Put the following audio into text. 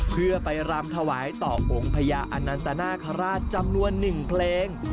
เพื่อไปรำถวายต่อองค์พญาอนันตนาคาราชจำนวน๑เพลง